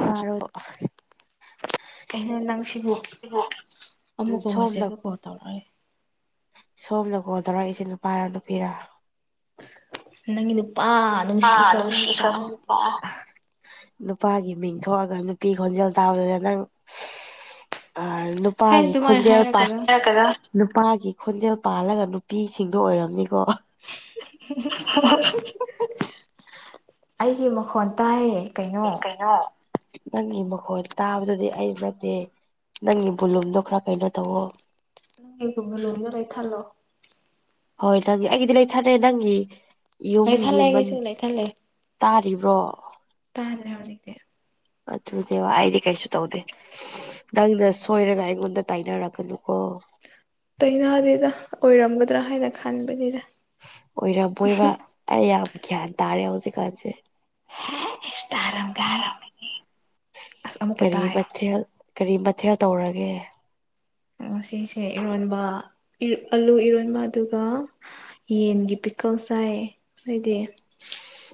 ꯍꯔꯣ [inaudible] ꯑꯩꯅ ꯅꯪꯁꯤꯕꯨ ꯎꯝ ꯑꯃꯨꯛꯀꯥꯎ ꯁꯣꯝꯅ ꯋꯥꯁꯦꯒ ꯀꯣꯜ ꯇꯧꯔꯛꯑꯒꯦ ꯁꯣꯝꯅ ꯀꯣꯜ ꯇꯧꯔꯛꯏꯁꯦ ꯅꯨꯄꯥꯔ ꯅꯨꯄꯤꯔꯥ ꯅꯪꯒꯤ ꯂꯨꯄꯥ ꯑꯥ ꯑꯗꯨꯁꯤ ꯅꯨꯄꯥꯒꯤ ꯃꯤꯡꯊꯣꯛꯑꯒ ꯅꯨꯄꯤ ꯈꯣꯟꯖꯦꯜ ꯇꯥꯗꯨꯗ ꯅꯪ ꯑ ꯍꯦ ꯅꯨꯄꯥꯒꯤ ꯑꯗꯨꯃꯥꯏꯅ ꯈꯣꯟꯖꯦꯜ ꯄꯥꯏ ꯍꯥꯏꯔꯛꯀꯅꯣ ꯅꯨꯄꯥꯒꯤ ꯈꯣꯟꯖꯦꯜ ꯄꯥꯜꯂꯒ ꯅꯨꯄꯤꯁꯤꯡꯗꯣ ꯑꯣꯏꯔꯝꯅꯤꯀꯣ ꯍ [inaudible] ꯑꯩꯒꯤ ꯃꯈꯣꯟ ꯇꯥꯏꯌꯦ ꯀꯩꯅꯣ ꯅꯪꯒꯤ ꯃꯈꯣꯟ ꯇꯥꯕꯗꯗꯤ ꯑꯩ ꯅꯠꯇꯦ ꯅꯪꯒꯤ ꯕꯨꯂꯨꯝꯗꯣ ꯈꯔ ꯀꯩꯅꯣ ꯇꯧꯋꯣ ꯨꯝ ꯂ ꯂꯩ ꯊꯜꯂꯣ [inaudible] ꯍꯣꯏ ꯅꯪꯒꯤ ꯑꯩꯒꯤꯗꯤ ꯂꯩꯊꯔꯦ ꯅꯪꯒꯤ ꯂꯩꯊꯠꯂꯦ ꯌꯨꯝꯒꯤ ꯃꯟ ꯑꯩꯒꯤꯁꯨ ꯂꯩꯊꯠꯂꯦ ꯇꯥꯔꯤꯕ꯭ꯔꯣ ꯇꯥꯗ꯭ꯔꯦ ꯍꯧꯗꯤ ꯑꯗꯨꯅꯦꯦꯕ ꯑꯩꯗꯤ ꯀꯩꯁꯨ ꯇꯧꯗꯦ ꯅꯪꯅ ꯁꯣꯏꯔꯒ ꯑꯩꯉꯣꯟꯗ ꯇꯥꯏꯅꯔꯛꯀꯅꯨꯀꯣ ꯇꯩꯅꯅꯥꯗꯗ ꯑꯣꯏꯔꯝꯒꯗ꯭ꯔꯥ ꯍꯥꯏꯅ ꯈꯟꯕꯅꯤꯗ ꯑꯣꯏꯔꯝꯕꯣꯏꯕ ꯑꯩ ꯌꯥꯝ ꯒ꯭ꯌꯥꯟ ꯇꯥꯔꯦ ꯍꯧꯖꯤꯛꯀꯥꯟꯁꯦ ꯁ ꯇꯔꯝꯒꯅꯤ ꯑꯁ ꯑꯃꯨꯛꯀ ꯀꯔꯤ ꯇꯥꯏ ꯃꯊꯦꯜ ꯀꯔꯤ ꯃꯊꯦꯜ ꯇꯧꯔꯒꯦ ꯁꯤꯁꯦ ꯏꯔꯣꯟꯕ ꯑꯂꯨ ꯏꯔꯣꯟꯕ ꯑꯗꯨꯒ ꯌꯦꯟꯒꯤ ꯄꯤꯀꯜ ꯆꯥꯏ ꯍꯥꯏꯗꯤ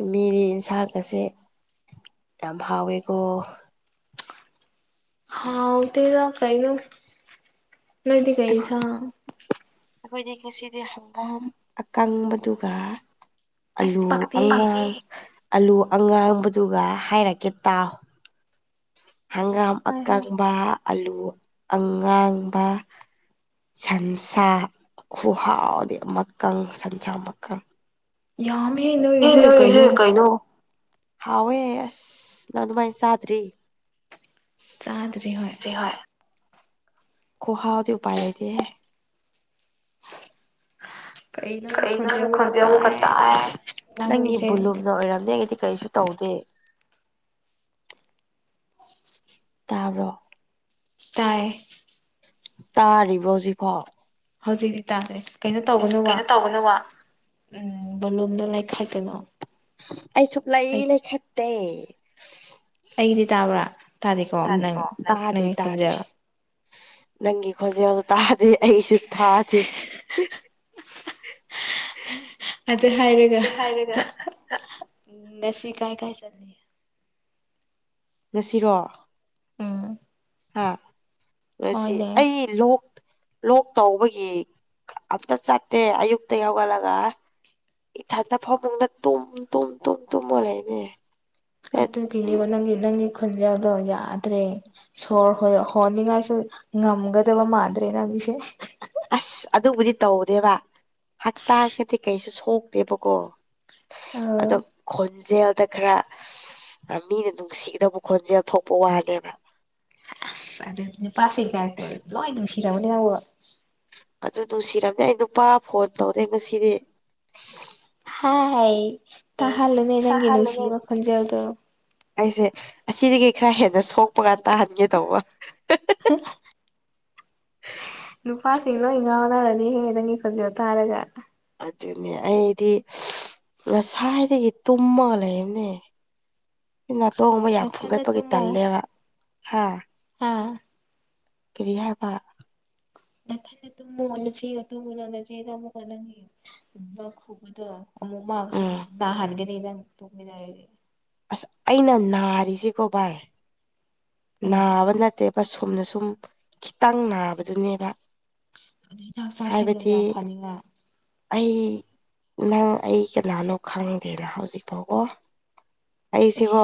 ꯑ ꯃꯤꯗꯤ ꯌꯦꯟꯁꯥꯡꯀꯁꯦ ꯌꯥꯝ ꯍꯥꯎꯋꯦꯀꯣ ꯍꯥꯎꯗꯤꯗ ꯀꯩꯅ ꯅꯣꯏꯗꯤ ꯀꯩ ꯑꯩꯈꯣꯏꯗꯤ ꯉꯁꯤꯗꯤ ꯍꯪꯒꯥꯝ ꯑꯀꯪꯕꯗꯨꯒ ꯑꯁ ꯑꯂꯨ ꯄꯛꯇꯦꯍꯦ ꯑꯉꯥꯡ ꯑꯂꯨ ꯑꯉꯥꯡꯕꯗꯨꯒ ꯍꯥꯏꯔꯛꯀꯦ ꯇꯥꯎ ꯍꯪꯒꯥꯝ ꯍꯣꯏ ꯍꯣꯏ ꯑꯀꯪꯕ ꯑꯂꯨ ꯑꯉꯥꯡꯕ ꯁꯟꯁꯥ ꯈꯨꯍꯥꯎꯗꯤ ꯑꯃꯀꯪ ꯁꯟꯁꯥ ꯑꯃꯀꯪ ꯌꯥꯝ ꯍꯦꯟꯅꯔꯤꯁꯦ ꯀꯩꯅꯣ ꯍꯥꯎꯋꯦ ꯑꯁ ꯅꯪ ꯑꯗꯨꯃꯥꯏꯅ ꯆꯥꯗ꯭ꯔꯤ ꯍꯣꯏ ꯈꯨꯍꯗꯤ ꯎꯄꯥꯏ ꯂꯩꯗꯤꯍꯦ [unintelligible] ꯀꯩꯅꯣꯒꯤ ꯀꯪ ꯈꯣꯟꯖꯦꯜ ꯑꯃꯨꯛꯀ ꯈꯪꯖꯦ ꯑꯃꯨ ꯈ ꯇꯥꯏ ꯅꯪꯒꯤ ꯅꯪꯒꯤꯁꯦ ꯕꯨꯂꯨꯝꯗ ꯑꯣꯏꯔꯝꯗꯦ ꯑꯩꯒꯗꯤ ꯀꯩꯁꯨ ꯇꯧꯗꯦ ꯇꯥꯕꯔꯣ ꯇꯥꯏꯌꯦ ꯇꯥꯔꯤꯕ꯭ꯔꯣ ꯍꯧꯖꯤꯛꯐꯥꯎ ꯍꯧꯖꯤꯛ ꯏꯇꯥꯥꯁꯦ ꯀꯩꯅꯣ ꯇꯧꯒꯅꯨꯕ ꯀꯩꯅꯣ ꯇꯧꯒꯅꯣꯕ ꯎꯝ ꯕꯂꯣꯝꯗ ꯂꯩꯥꯏꯈꯥꯏꯗꯅꯣ ꯑꯩ ꯆꯣꯄ ꯂꯩ ꯏ ꯂꯩ ꯈꯦꯠꯇꯦ ꯑꯩꯒꯤꯗꯤ ꯇꯥꯕ꯭ꯔꯥ ꯇꯥꯗꯦꯀꯣ ꯅꯪ ꯇꯥꯗꯦ ꯅꯪꯒꯤ ꯈꯣꯟꯖ ꯇꯥꯗꯦ ꯅꯪꯒꯤ ꯈꯣꯟꯖꯦꯜꯁꯨ ꯇꯥꯗꯦ ꯑꯩꯁꯨ ꯊꯥꯗꯦ ꯑꯗꯨ ꯍꯥꯏꯔꯒ ꯍꯥꯏꯔꯒ ꯉꯁꯤ ꯀꯥꯏ ꯀꯥꯏ ꯆꯠꯂꯤ ꯆꯁꯤꯔꯣ ꯎꯝ ꯑ ꯉꯁꯤ ꯍꯣꯏꯅꯦ ꯑꯩ ꯂꯣꯛ ꯂꯣꯛ ꯇꯧꯕꯒꯤ ꯑꯝꯇ ꯆꯠꯇꯦ ꯑꯌꯨꯛꯇ ꯍꯧꯒꯠꯂꯒ ꯏꯊꯟꯗ ꯐꯕꯨꯡꯗ ꯇꯨꯝ ꯇꯨꯝ ꯇꯨꯝ ꯇꯨꯝ ꯑꯣꯣꯂꯛꯅꯦ ꯑꯩ ꯑꯗꯨ ꯀꯤꯅꯦꯕ ꯅꯪꯒꯤ ꯅꯪꯒꯤ ꯈꯨꯣꯟꯖꯦꯜꯗꯣ ꯌꯥꯗ꯭ꯔꯦ ꯁꯣꯔ ꯍ ꯍꯣꯟꯅꯤꯡꯉꯥꯏꯁꯨ ꯉꯝꯒꯗꯕ ꯃꯥꯟꯗ꯭ꯔꯦꯅ ꯃꯤꯁꯦ ꯑꯁ ꯑꯗꯨꯕꯨꯗꯤ ꯇꯧꯗꯦꯕ ꯍꯛꯇꯥꯥꯡꯒꯗꯤ ꯀꯩꯁꯨ ꯁꯣꯛꯇꯦꯕꯀꯣ ꯑꯧ ꯑꯗ ꯈ ꯈꯣꯟꯖꯦꯜꯗ ꯈꯔ ꯃꯤꯅ ꯅꯨꯡꯁꯤꯒꯗꯕ ꯈꯣꯟꯖꯦꯜ ꯊꯣꯛꯄ ꯋꯥꯂꯦꯕ ꯑꯗ ꯄꯥꯁ ꯆꯩꯒ ꯂꯣꯏ ꯑꯗꯨ ꯁꯤꯔ ꯑꯃꯅꯦ ꯑꯕꯣ ꯑꯗꯨ ꯅꯨꯡꯁꯤꯔꯝꯅꯤ ꯑꯩ ꯅꯨꯄꯥ ꯐꯣꯟ ꯇꯧꯔꯦ ꯉꯁꯤꯗꯤ ꯍꯥꯏ ꯇ ꯍꯜꯂ ꯅ ꯅꯪꯒꯦꯅ ꯁꯤ ꯇꯥꯍꯜꯂꯨꯅꯦ ꯋꯥꯈꯣꯟ ꯆꯎꯗꯣ ꯑꯩꯁꯦ ꯑꯁꯤꯗꯒꯤ ꯈꯔ ꯍꯦꯟꯅ ꯁꯣꯛꯄ ꯀꯥꯟ ꯇꯥꯍꯟꯒꯦ ꯇꯧꯕ ꯍ ꯅꯨꯄꯥꯁꯤꯡ ꯂꯣꯏ ꯉꯥꯎꯅꯔꯗꯤꯍꯦ ꯅꯪꯒꯤ ꯐꯖꯣ ꯇꯥꯔꯒ ꯑꯗꯨꯅꯦ ꯑꯩꯗꯤ ꯉꯁꯥꯏꯗꯒꯤ ꯇꯨꯝꯃꯒ ꯂꯩꯕꯅꯦ ꯅꯥꯇꯣꯡꯕ ꯌꯥꯝ ꯅꯊꯟꯗ ꯐꯨꯝꯒꯠꯄꯒꯤ ꯇꯜꯂꯦꯕ ꯍꯥ ꯑꯥ ꯀꯔꯤ ꯍꯥꯏꯕ ꯅ ꯐ ꯇꯃꯟꯅꯣ ꯇꯃ ꯂꯅꯃ ꯀꯟꯅꯣ ꯈꯨꯗꯃꯛ ꯃꯥ ꯎꯝ ꯗꯗꯥ ꯍꯥꯜꯒꯅꯤ ꯊ ꯑꯁ ꯑꯩꯅ ꯅꯥꯔꯤꯁꯤꯀꯣ ꯚꯥꯏ ꯑꯦ ꯅꯥꯕ ꯅꯠꯇꯦꯕ ꯁꯣꯨꯝꯅ ꯁꯨꯝ ꯈꯤꯇꯪ ꯅꯥꯕꯗꯨꯅꯦꯕ ꯑꯗꯨ ꯍꯤꯗꯥꯛ ꯆꯥ ꯍꯥꯏꯕꯗꯤ ꯁꯦꯟꯗꯨꯅ ꯐꯅꯤꯅ ꯑꯩ ꯅꯪ ꯑꯩ ꯀꯅꯥꯅꯣ ꯈꯪꯗꯦꯅ ꯍꯧꯖꯤꯛ ꯐꯥꯎꯕꯣ ꯑꯩꯁꯤꯕꯣ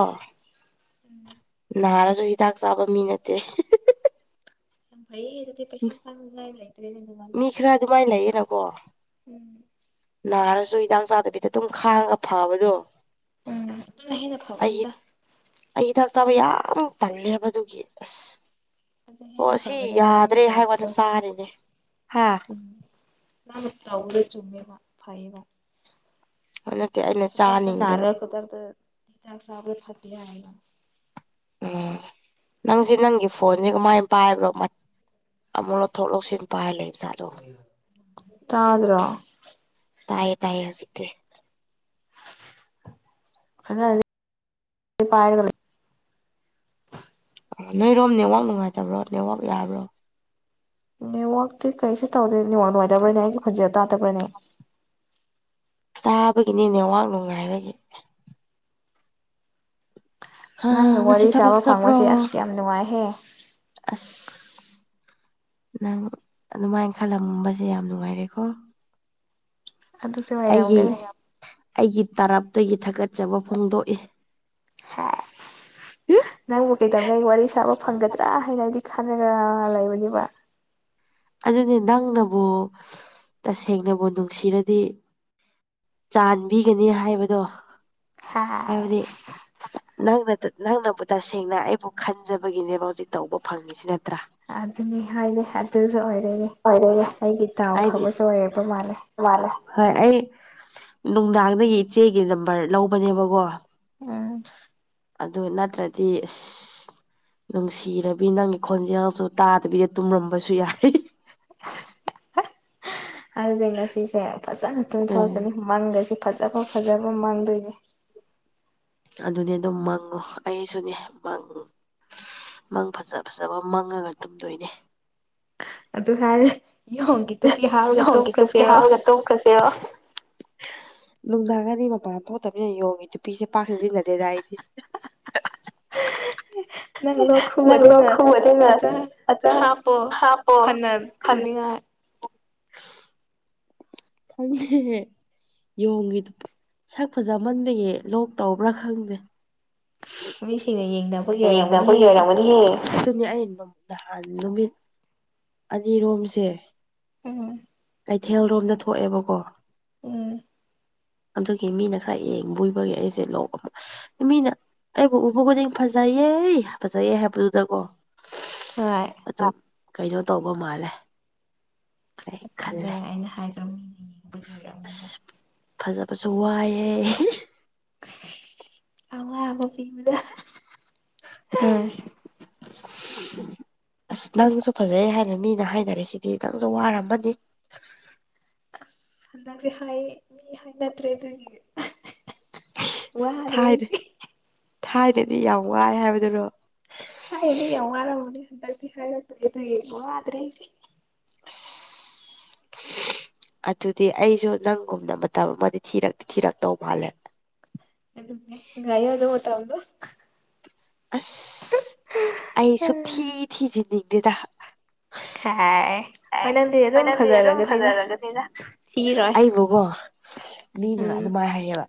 ꯎꯝ ꯅꯍꯥꯔꯁꯨ ꯍꯤꯗꯥꯛ ꯆꯥꯕ ꯃꯤ ꯅꯠꯇꯦ ꯩꯛꯇ ꯄꯩꯁ ꯏꯇꯂ ꯃꯤ ꯈꯔ ꯑꯗꯨꯃꯥꯏꯅ ꯂꯩꯌꯦꯅꯀꯣ ꯎꯝ ꯅꯥꯔꯁꯨ ꯍꯤꯗꯥꯛ ꯆꯥꯗꯕꯤꯗ ꯑꯗꯨꯝ ꯈꯥꯡꯉ ꯐꯕꯗꯣ ꯎꯝ ꯑꯗꯨꯅ ꯍꯦꯟꯅ ꯑꯌꯠ ꯐꯕꯅꯤꯗ ꯑꯩꯒꯤꯗꯥꯛ ꯆꯥꯕ ꯌꯥꯝ ꯄꯜꯂꯦꯕꯗꯨꯒꯤ ꯑꯁ ꯑꯗꯨ ꯍꯦꯟꯅ ꯑꯣ ꯁꯤ ꯐꯕꯅꯦꯕ ꯅꯪꯅ ꯌꯥꯗ꯭ꯔꯦ ꯍꯥꯏꯕꯗ ꯇꯧꯕꯗꯣ ꯆꯥꯔꯤꯅꯦ ꯍꯥ ꯃꯥꯅ ꯇꯥꯎꯕꯗ ꯆꯨꯝꯃꯦꯦꯕ ꯐꯩꯌꯦꯕ ꯍ ꯀꯦ ꯈꯨꯗꯛꯇ ꯅꯥꯔ ꯈꯨꯗꯛꯇ ꯤꯗꯥꯛ ꯆꯥꯕ꯭ꯔ ꯐꯠꯇꯦ ꯍꯥꯏꯅ ꯎꯝ ꯅꯪꯁꯦ ꯅꯪꯒꯤ ꯐꯣꯟꯁꯤꯦ ꯀꯃꯥꯏ ꯄꯥꯏꯕ꯭ꯔꯣ ꯑꯃꯨꯛ ꯂꯧꯊꯣꯛ ꯂꯧꯁꯤꯟ ꯄꯥꯏ ꯂꯩ ꯏꯆꯥꯥꯗꯣ ꯆ꯭ꯔꯣ ꯇꯥꯏꯌꯦ ꯇꯥꯏꯌꯦ ꯍꯧꯖꯤꯗꯤꯦ ꯑ ꯄꯒ ꯑ ꯅꯣꯏꯔꯣꯝ ꯅꯦꯠꯋꯥꯛ ꯅꯨꯡꯉꯥꯏꯇꯕ꯭ꯔꯣ ꯅꯦꯠꯋꯥꯛ ꯌꯥꯕ꯭ꯔꯣ ꯅꯦꯠꯋꯥꯛꯇꯤ ꯀꯔꯤꯁꯨ ꯇꯧꯗꯦ ꯅꯤꯋꯥꯛ ꯅꯨꯡꯉꯥꯏꯇꯕ꯭ꯔꯅꯦ ꯑꯩꯒꯤ ꯈꯨꯣꯟꯟꯖꯦꯜ ꯇꯥꯗꯕ꯭ꯔꯥꯅꯦ ꯇꯥꯕꯒꯤꯅꯤꯅꯦꯋꯥꯥꯛ ꯅꯨꯡꯉꯥꯏꯕꯒꯤ ꯍꯥ ꯏꯁꯅꯪꯒ ꯋꯥꯔꯤ ꯉꯁꯤ ꯊꯕꯛ ꯁꯥꯕ ꯆꯠꯄ꯭ꯔꯣ ꯐꯪꯕꯁꯦ ꯑꯁ ꯌꯥꯝ ꯅꯨꯡꯉꯥꯏꯍꯦ ꯑꯁ ꯅꯪ ꯑꯗꯨꯃꯥꯏꯅ ꯈꯜꯂꯝꯕꯁꯦ ꯌꯥꯝ ꯅꯨꯡꯉꯥꯏꯔꯦꯀꯣ ꯑꯗꯨꯁꯨ ꯑꯩꯒꯤ ꯑꯣꯏꯔꯝꯒꯅꯤ ꯑꯩꯒꯤ ꯇꯔꯞꯇꯒꯤ ꯊꯥꯒꯠꯆꯕ ꯐꯣꯡꯗꯣꯛꯏ ꯍꯦꯁ [inaudible] ꯅꯪꯕꯨ ꯀꯩꯗꯧꯅ ꯑꯩ ꯋꯥꯔꯤ ꯁꯥꯕ ꯐꯪꯒꯗ꯭ꯔꯥ ꯍꯥꯏꯅ ꯑꯩꯗꯤ ꯈꯅꯔ ꯂꯩꯕꯅꯦꯕ ꯑꯗꯨꯅꯤ ꯅꯪꯅꯕꯨ ꯇꯁꯦꯡꯅꯕꯨ ꯅꯨꯡꯁꯤꯔꯗꯤ ꯆꯥꯟꯕꯤꯒꯅꯤ ꯍꯥꯏꯕꯗꯣ ꯍꯥꯏꯕꯗꯤ ꯍꯥꯏꯁ ꯅꯪꯅ ꯅꯪꯅꯕꯨ ꯇꯁꯦꯡꯅ ꯑꯩꯕꯨ ꯈꯟꯖꯕꯒꯤꯅꯦꯕ ꯍꯧꯖꯤꯛ ꯇꯧꯕ ꯐꯪꯉꯤꯁꯤ ꯅꯠꯇ꯭ꯔꯥ ꯑꯗꯨꯅꯤ ꯍꯥꯏꯅꯤ ꯑꯗꯨꯁꯨ ꯑꯣꯏꯔꯦꯅꯦ ꯑꯣꯏꯔꯦ ꯑꯩꯒꯤ ꯇꯥꯎ ꯐꯕꯁꯨ ꯑꯣꯏꯔꯛꯄ ꯃꯥꯜꯂꯦ ꯋꯥꯂꯦ ꯍꯣꯏ ꯑꯩ ꯅꯨꯡꯗꯥꯡꯗꯒꯤ ꯏꯆꯦꯒꯤ ꯅꯝꯕꯔ ꯂꯧꯕꯅꯦꯕꯀꯣ ꯎꯝ ꯑꯗꯨ ꯅꯠꯇ꯭ꯔꯗꯤ ꯑꯁ ꯅꯨꯡꯁꯤꯔꯕꯤ ꯅꯪꯒꯤ ꯈꯣꯟꯖꯦꯜꯁꯨ ꯇꯥꯗꯕꯤꯗ ꯇꯨꯝꯔꯝꯕꯁꯨ ꯌꯥꯏ ꯑꯗꯨꯗꯩꯩ ꯁꯤꯁꯦ ꯐꯖꯅ ꯎꯝ ꯇꯨꯝꯊꯣꯔꯛꯀꯅꯤ ꯃꯪꯒꯁꯤ ꯐꯖꯕ ꯐꯖꯕ ꯃꯪꯗꯣꯏꯅꯦ ꯑꯗꯨꯗꯤ ꯑꯗꯨꯝ ꯃꯪꯉꯨ ꯑꯩꯁꯨꯅꯦ ꯃꯪꯉ ꯃꯪ ꯐꯖ ꯐꯖꯕ ꯃꯪꯉꯒ ꯇꯨꯝꯗꯣꯏꯅꯦ ꯑꯗꯨ ꯍꯥꯏꯔꯦ [unintelligible] ꯍꯥꯞꯔꯒ ꯌꫭꯡꯒꯤ [unintelligible] ꯇꯨꯝꯈ꯭ꯔꯁꯤꯔꯣ ꯇꯣꯛꯈ꯭ꯔꯁꯤꯔꯣ ꯅꯨꯡꯗꯥꯡꯒꯗꯤ ꯃꯄꯥꯟ ꯊꯣꯛꯇꯕꯅꯤꯅ ꯌꫭꯡꯉꯤ ꯅꯨꯄꯤꯁꯦ ꯄꯥꯛ ꯁꯤꯖꯤꯟꯅꯗꯦꯗ ꯑꯩꯗꯤ ꯅꯪ ꯂꯣ ꯅꯪ ꯂꯣꯛ ꯈꯨꯨꯗꯤꯡꯅ ꯑ ꯈꯨꯕꯗꯨꯅ ꯑꯝꯇ ꯍꯥꯞꯄꯣ ꯍꯥꯞꯄꯣ ꯐꯅ ꯐꯅ ꯊꯨꯅꯤꯉꯥꯏ [unintelligible] ꯁꯛ ꯐꯖꯃꯟꯕꯌꯦ ꯂꯣꯛ ꯇꯧꯕ꯭ꯔꯥ ꯈꯪꯗꯦ ꯃꯁꯤ ꯂꯩꯗꯝ ꯍꯌꯦꯡꯗ ꯑꯩꯈꯣꯏ ꯌꯔꯝꯒꯅꯤꯍꯦ ꯑꯗꯨ ꯅꯍꯥꯟ ꯅꯨꯃꯤꯠ ꯑꯅꯤꯔꯣꯝꯁꯦ ꯎꯝ ꯀꯩꯊꯦꯜ ꯔꯣꯝꯗ ꯊꯣꯛꯑꯦꯕꯀꯣ ꯎꯝ ꯑꯗꯨꯒꯤ ꯃꯤꯅ ꯈꯔ ꯌꯦꯡꯕꯣꯏꯕꯒꯤ ꯑꯩꯁꯦ [unintelligible] ꯃꯤꯅ ꯑꯩꯕꯨ ꯎꯕꯗꯤꯡ ꯐꯖꯩꯌꯦ ꯐꯖꯩꯌꯦ ꯍꯥꯏꯕꯗꯨꯗꯀꯣ ꯍꯣꯏ ꯀꯩꯅꯣ ꯇꯧꯕ ꯃꯥꯜꯂꯦ ꯑꯩ ꯑꯗꯨꯂꯦ ꯈꯜꯂꯦ ꯑꯩꯅ ꯍꯥꯏꯗ꯭ꯔꯝꯃꯤ ꯑꯁ ꯐꯖꯕꯁꯨ ꯋꯥꯏꯑꯦ [unintelligible] [unintelligible] ꯑꯁ ꯅꯪꯁꯨ ꯐꯖꯩ ꯍꯥꯏꯅ ꯃꯤꯅ ꯍꯥꯏꯅꯔꯦ ꯁꯤꯗꯤ ꯅꯪꯁꯨ ꯋꯥꯔꯝꯃꯅꯤ ꯑꯁ ꯍꯟꯗꯛꯁꯦ ꯍꯥꯏ ꯃꯤ ꯍꯥꯏꯅꯗ꯭ꯔꯦ ꯑꯗꯨꯒꯤ ꯋꯥꯗ꯭ꯔꯦ ꯊꯥꯏꯅ ꯑꯩꯁꯦ ꯊꯥꯏꯅꯗꯤ ꯌꯥꯝ ꯋꯥꯏ ꯍꯥꯏꯕꯗꯨꯅꯣ [inaudible] ꯗꯛꯇꯤ ꯍꯥꯏꯔꯛꯇ꯭ꯔꯦ ꯑꯗꯨꯡ ꯋꯥꯗ꯭ꯔꯦ ꯑꯩꯁꯦ ꯑꯁ ꯑꯗꯨꯗꯤ ꯑꯩꯁꯨ ꯅꯪꯒꯨꯝꯅ ꯃꯇꯝ ꯑꯃꯗꯤ ꯊꯤꯔꯛꯇꯤ ꯊꯤꯔꯛꯇꯧ ꯃꯥꯜꯂꯦ ꯑꯗꯨꯃꯦ ꯉꯥꯏ ꯌꯥ ꯑꯗꯨ ꯑꯁ ꯑꯩ ꯁꯨꯝꯊꯤ ꯊꯤꯖꯤꯟꯅꯤꯡꯗꯦꯗ ꯍꯥꯏ ꯑꯦ ꯅꯪꯗꯤ ꯍꯣꯏ ꯑꯗꯨꯝ ꯅꯪꯗꯤ ꯑꯗꯨꯝ ꯐꯖꯔꯒꯅꯤꯗ ꯐꯖꯔꯒꯅꯤꯅ ꯊꯤꯔꯣꯏ ꯑꯩꯕꯨꯀꯣ ꯃꯤꯅ ꯎꯝ ꯑꯗꯨꯃꯥꯏꯅ ꯍꯥꯏꯌꯦꯕ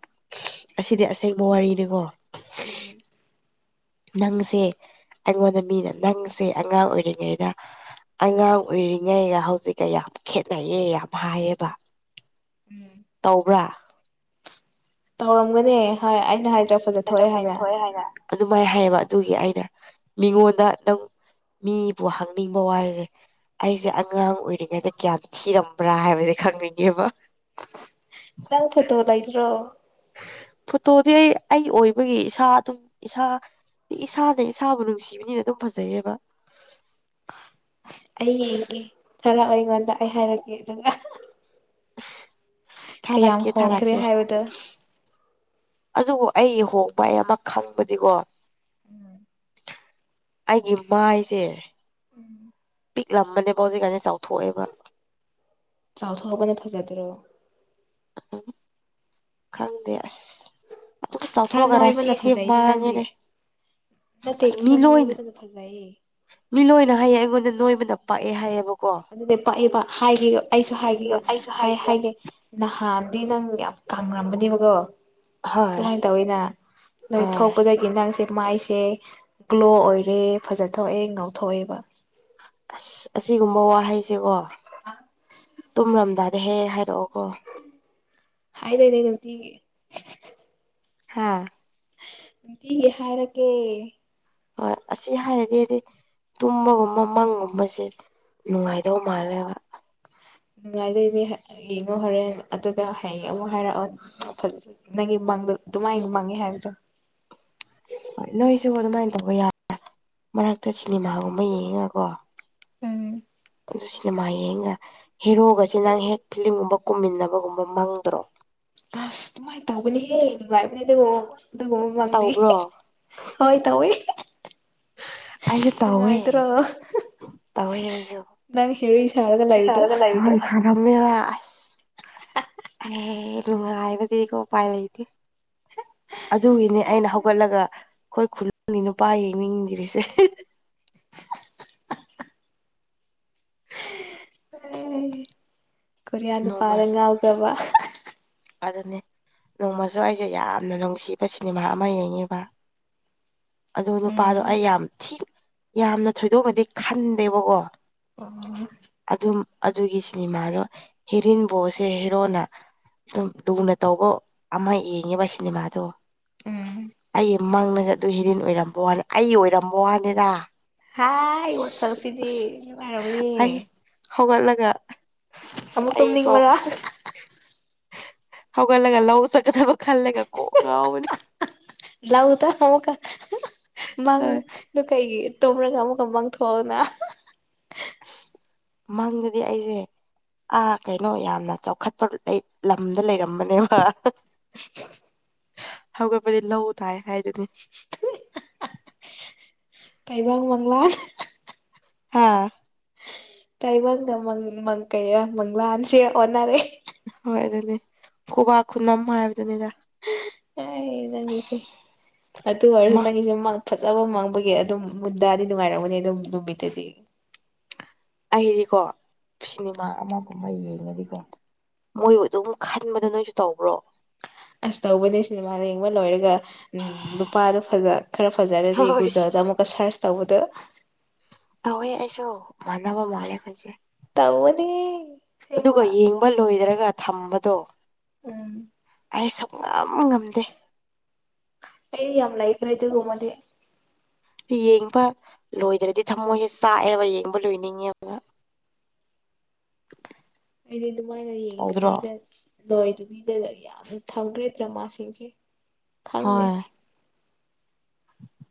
ꯑꯁꯤꯗꯤ ꯑꯁꯦꯡꯕ ꯋꯥꯔꯤꯅꯤꯀꯣ ꯎꯝ ꯅꯪꯁꯦ ꯑꯩꯉꯣꯟꯗ ꯃꯤꯅ ꯅꯪꯁꯦ ꯑꯉꯥꯡ ꯑꯣꯏꯔꯤꯉꯩꯗ ꯑꯉꯥꯡ ꯑꯣꯏꯔꯤꯉꯩꯒ ꯍꯧꯖꯤꯛꯀ ꯌꯥꯝ ꯈꯦꯠꯅꯩꯌꯦ ꯌꯥꯝ ꯍꯥꯏꯌꯦꯕ ꯇꯧꯕ꯭ꯔꯥ ꯇꯧꯔꯝꯒꯅꯤ ꯑꯩꯅ ꯍꯥꯏꯗꯔ ꯊꯣꯛꯑꯦ ꯍꯥꯏꯅ ꯑꯗꯨꯃꯥꯏꯅ ꯍꯥꯏꯌꯦꯕ ꯑꯗꯨꯒꯤ ꯑꯩꯅ ꯃꯤꯉꯣꯟꯗ ꯅꯪ ꯃꯤꯕꯨ ꯍꯪꯅꯤꯡꯕ ꯋꯥꯏꯁꯦ ꯑꯩꯁꯦ ꯑꯉꯥꯡ ꯑꯣꯏꯔꯤꯉꯩꯗ ꯀꯌꯥꯝ ꯊꯤꯔꯝꯕ꯭ꯔꯥ ꯍꯥꯏꯕꯁꯦ ꯈꯪꯅꯤꯡꯉꯦꯕ ꯅꯪ ꯐꯣꯇꯣ ꯂꯩꯗ꯭ꯔꯣ ꯐꯣꯇꯣꯗꯤ ꯑꯩ ꯑꯩ ꯑꯣꯏꯕꯒꯤ ꯏꯁꯥ ꯑꯗꯨꯝ ꯏꯁꯥ ꯏꯁꯥꯅ ꯏꯁꯥꯕꯨ ꯅꯨꯡꯁꯤꯕꯅꯤꯅ ꯑꯗꯨꯝ ꯐꯖꯩꯌꯦꯕ ꯑꯩ ꯌꯦꯡꯒꯦ ꯊꯥꯔꯛꯑꯣ ꯑꯩꯉꯣꯟꯗ ꯑꯩ ꯍꯥꯏꯔꯛꯀꯦ ꯑꯗꯨꯒ ꯀꯌꯥꯝ ꯊꯥꯔꯛꯀꯦ ꯍꯣꯡꯈ꯭ꯔꯦ ꯊꯥꯔꯛꯀꯦ ꯍꯥꯏꯕꯗ ꯑꯗꯨꯕꯨ ꯑꯩ ꯍꯣꯡꯕ ꯑꯩ ꯑꯃ ꯈꯪꯕꯗꯤꯀꯣ ꯑꯩꯒꯤ ꯃꯥꯏꯁꯦ ꯎꯝ [inaudible] ꯄꯤꯛꯂꯝꯕꯅꯦꯕ ꯍꯧꯖꯤꯛꯀꯥꯟꯗꯤ ꯆꯥꯎꯊꯣꯛꯑꯦꯕ ꯆꯥꯎꯊꯣꯛꯑꯕꯅ ꯐꯖꯗ꯭ꯔꯣ ꯎꯝ ꯈꯪꯗꯦ ꯑꯥꯁ ꯑꯗꯨꯝ ꯈꯔ ꯆꯥꯎꯊꯣꯛꯑꯒꯔꯥ ꯅꯣꯏꯕꯅ ꯔꯥꯁꯤꯁꯦ ꯐꯖꯩꯗ ꯅꯪꯗꯤ ꯃꯥꯡꯉꯦꯅꯦ ꯅꯠꯇꯦ ꯑꯁ ꯃꯤ ꯈꯔ ꯂꯣꯏꯅ ꯅꯣꯏꯕꯅ ꯐꯖꯩꯌꯦ ꯃꯤ ꯂꯣꯏꯅ ꯍꯥꯏꯌꯦ ꯑꯩꯉꯣꯟꯗ ꯅꯣꯏꯕꯅ ꯄꯥꯛꯑꯦ ꯍꯥꯏꯌꯦꯕꯀꯣ ꯑꯗꯨꯗꯤ ꯄꯥꯛꯏꯕ ꯍꯥꯏꯔ ꯑꯩꯁꯨ ꯍꯥꯏꯒꯦ ꯑꯩꯁꯨ ꯍꯥꯏ ꯍꯥꯏꯕꯤꯒ ꯍꯥꯏꯒꯦ ꯅꯍꯥꯟꯗꯤ ꯅꯪ ꯌꯥꯝ ꯀꯪꯉꯝꯕꯅꯦꯕꯀꯣ ꯍꯣꯏ ꯑꯗꯨꯃꯥꯏꯅ ꯇꯧꯋꯤꯅ ꯅꯣꯏ ꯍꯣꯏ ꯊꯣꯛꯄꯗꯒꯤ ꯅꯪꯁꯦ ꯃꯥꯏꯁꯦ ꯒ꯭ꯂꯣ ꯑꯣꯏꯔꯦ ꯐꯖꯊꯣꯛꯑꯦ ꯉꯧꯊꯣꯛꯑꯦꯕ ꯑꯁ ꯑꯁꯤꯒꯨꯝꯕ ꯋꯥꯍꯩꯁꯤꯀꯣ ꯇꯨꯝꯔꯝꯗꯥꯏꯗ ꯍꯦꯛ ꯍꯥꯏꯔꯛꯑꯣ ꯀꯣ ꯍꯥꯏꯗꯣꯏꯅꯦ ꯅꯨꯡꯇꯤꯒꯤ ꯍꯥꯥ ꯅꯨꯡꯇꯤꯒꯤ ꯍꯥꯏꯔꯒꯦ ꯍꯣꯏ ꯑꯁꯤ ꯍꯥꯏꯔꯒꯦꯗꯤ ꯇꯨꯝꯕꯒꯨꯝꯕ ꯃꯪꯒꯨꯝꯕꯁꯦ ꯅꯨꯡꯉꯥꯏꯗꯧ ꯃꯥꯜꯂꯦꯕ ꯅꯨꯡꯉꯥꯏꯗꯣꯏꯅꯦ ꯌꯦꯡꯉꯣ ꯍꯣꯔꯦꯟ ꯑꯗꯨꯒ ꯍꯌꯦꯡ ꯑꯃꯨꯛ ꯍꯥꯏꯔꯛꯑꯣ ꯅ ꯐꯖ ꯅꯪꯒꯤ ꯃꯡꯗꯣ ꯑꯗꯨꯃꯥꯏꯅ ꯃꯡꯉꯦ ꯍꯥꯏꯕꯗꯣ ꯍꯣꯏ ꯅꯣꯏꯁꯨ ꯑꯗꯨꯃꯥꯏꯅ ꯇꯧꯕ ꯌꯥꯕ꯭ꯔꯥ ꯃꯔꯛꯇ ꯁꯤꯅꯦꯃꯥꯒꯨꯝꯕ ꯌꯦꯡꯉꯀꯣ ꯎꯝ ꯑꯗꯨ ꯁꯤꯅꯦꯃꯥ ꯌꯦꯡꯉꯒ ꯍꯦꯔꯣꯒꯁꯦ ꯅꯪ ꯍꯦꯛ ꯐꯤꯂꯝꯒꯨꯝꯕ ꯀꯨꯝꯃꯤꯟꯅꯕꯒꯨꯝꯕ ꯃꯪꯗ꯭ꯔꯣ ꯑꯁ ꯑꯗꯨꯃꯥꯏꯅ ꯇꯧꯕꯅꯤꯍꯦ ꯅꯨꯡꯉꯥꯏꯕꯅꯦ ꯑꯗꯨꯒ ꯑꯗꯨꯒ ꯃꯪꯗꯤ ꯇꯧꯕ꯭ꯔꯣ ꯍꯣꯏ ꯇꯧꯏ ꯑꯩꯁꯨ ꯇꯧꯋꯦ ꯇꯧꯋꯦꯅꯦ ꯑꯩꯁꯨ ꯅꯪ ꯍꯦꯔꯣꯏꯟ ꯁꯥꯔꯒ ꯋꯥꯔꯤ ꯂꯩꯕꯗꯣ ꯁꯥꯔꯒ ꯂꯩꯕꯔꯣ ꯁꯥꯔꯝꯃꯦꯕ ꯑꯦ ꯅꯨꯡꯉꯥꯏꯕꯗꯤ ꯀꯣ ꯎꯄꯥꯏ ꯂꯩꯇꯦ ꯑꯗꯨꯒꯤꯅꯦ ꯑꯩꯅ ꯍꯧꯒꯠꯂꯒ ꯑꯩꯈꯣꯏ ꯈꯨꯜꯒꯤ ꯅꯨꯄꯥ ꯌꯦꯡꯅꯤꯡꯗꯔꯤꯁꯦ ꯀꯣꯔꯤꯌꯥ ꯅꯨꯄꯥꯗ ꯅꯣꯡꯃꯁꯨ ꯉꯥꯎꯖꯕ ꯑꯗꯨꯅꯦ ꯅꯣꯡꯃꯁꯨ ꯑꯩꯁꯦ ꯌꯥꯝꯅ ꯅꯨꯡꯁꯤꯕ ꯁꯤꯅꯦꯃꯥ ꯑꯃ ꯌꯦꯡꯉꯤꯕ ꯑꯗꯣ ꯅꯨꯄꯥꯗꯣ ꯎꯝ ꯑꯩ ꯌꯥꯝ ꯊꯤ ꯌꯥꯝꯅ ꯊꯣꯏꯗꯣꯛꯅꯗꯤ ꯈꯟꯗꯦꯕꯀꯣ ꯑꯣ ꯑꯗꯨꯝ ꯑꯗꯨꯒꯤ ꯁꯤꯅꯦꯃꯥꯗꯣ ꯍꯦꯔꯤꯟꯕꯣꯁꯦ ꯍꯦꯔꯣꯅ ꯑꯗꯨꯝ ꯂꯨꯅ ꯇꯧꯕ ꯑꯃ ꯌꯦꯡꯉꯤꯕ ꯁꯤꯅꯦꯃꯥꯗꯣ ꯎꯝ ꯑꯩ ꯃꯪꯅꯁꯦ ꯑꯗꯨ ꯍꯦꯔꯤꯦꯟ ꯑꯣꯏꯔꯝꯕ ꯋꯥꯅꯤ ꯑꯩ ꯑꯣꯏꯔꯝꯕ ꯋꯥꯅꯤꯗ ꯍꯥꯥ ꯑꯩ ꯍꯧꯒꯠꯂꯒ ꯑꯃꯨꯛ ꯑꯩꯕꯨ ꯇꯨꯝꯅꯤꯡꯕꯔꯥ ꯍꯧꯒꯠꯂꯒ ꯂꯧ ꯆꯠꯀꯗꯕ ꯈꯜꯂꯒ ꯀꯣꯛ ꯉꯥꯎꯕꯅꯤ ꯂꯎ ꯇ ꯍꯃꯨ ꯀ ꯃꯥꯪ ꯍꯣꯏ ꯅ ꯀꯩ ꯇꯨꯝꯔꯒ ꯑꯃꯨꯛꯀ ꯄꯥꯡꯊꯣꯛꯑꯑꯣꯅ ꯑꯁ ꯃꯪꯒꯗꯤ ꯑꯩꯁꯦ ꯑꯥ ꯀꯩꯅꯣ ꯌꯥꯝꯅ ꯆꯥꯎꯈꯠꯄ ꯂꯝꯗ ꯂꯩꯔꯝꯕꯅꯦꯕ ꯍꯧꯒꯠꯄꯗꯤ ꯂꯧ ꯇꯥꯏ ꯍꯥꯏꯗꯨꯅꯤ ꯀꯥꯏꯕꯡ ꯃꯪꯂꯂꯥ ꯍꯥꯥ ꯇꯥꯏꯕꯪꯅ ꯃꯪ ꯃꯪ ꯀꯩꯔ ꯃꯪ ꯂꯥꯟꯁꯦ ꯑꯣꯟꯅꯔꯦ ꯍꯣꯏ ꯑꯗꯨꯗꯤ ꯈꯨꯕꯥꯥꯛ ꯈꯨꯅꯝ ꯍꯥꯏꯕꯗꯨꯅꯤꯗ ꯁꯦ ꯑꯁ ꯑ ꯑꯗꯨꯨ ꯋꯥꯔꯁꯨ ꯃꯥ ꯅꯤꯁꯦ ꯃ ꯐꯖꯕ ꯃꯥꯡꯕꯒꯤ ꯑꯗꯨꯝ ꯃꯨꯟꯗꯥꯗꯤ ꯅꯨꯡꯉꯥꯏꯔꯝꯃꯅꯤ ꯑꯗꯨꯝ ꯅꯨꯃꯤꯠꯇꯗꯤ ꯑꯩꯗꯤꯀꯣ ꯁꯤꯅꯦꯃꯥ ꯑꯃꯒꯨꯝꯕ ꯌꯦꯡꯉꯗꯤꯀꯣ ꯃꯣꯏ ꯑꯗꯨꯝ ꯈꯟꯕꯗꯣ ꯅꯣꯏꯁꯨ ꯇꯧꯕ꯭ꯔꯣ ꯑꯁ ꯇꯧꯕꯅꯦ ꯁꯤꯅꯦꯃꯥ ꯂꯦꯡꯕ ꯂꯣꯏꯔꯒ ꯅꯨꯄꯥꯗꯣ ꯐꯖ ꯈꯔ ꯐꯖꯔꯗꯤ ꯍꯣꯏ ꯒꯨꯒꯜꯗ ꯑꯃꯨꯛꯀ ꯁꯔꯁ ꯇꯧꯕꯗ ꯇꯧꯋꯦ ꯑꯩꯁꯨ ꯃꯥꯟꯅꯕ ꯃꯥꯜꯂꯦ ꯐꯁꯦ ꯇꯧꯕꯅꯦ ꯑꯁꯦꯡꯕ ꯑꯗꯨꯒ ꯌꯦꯡꯕ ꯂꯣꯏꯗ꯭ꯔꯒ ꯊꯝꯕꯗꯣ ꯎꯝ ꯑꯩ ꯁꯨ ꯉꯝ ꯉꯝꯗꯦ ꯑꯩꯔꯤ ꯌꯥꯝ ꯂꯥꯏ ꯔꯥꯏꯠꯇ ꯔꯣ ꯃ ꯌꯦꯡꯕ ꯂꯣꯏꯗ꯭ꯔꯗꯤ ꯊꯃꯣꯏꯁꯦ ꯆꯥꯛꯑꯦꯕ ꯌꯦꯡꯕ ꯂꯣꯏꯅꯤꯡꯉꯦꯕ [inaudible] ꯑꯩꯗꯤ ꯑꯗꯨꯃꯥꯏꯅ ꯇꯧꯗ꯭ꯔꯣ ꯌꯦꯡꯗꯕꯤꯗ ꯅꯣꯏꯗꯨꯕꯤꯗꯗ ꯌꯥꯝꯅ ꯊꯝꯈ꯭ꯔꯦ ꯗ꯭ꯔꯃꯥꯁꯤꯡꯁꯦ ꯈꯪꯉꯦ ꯍꯣꯏ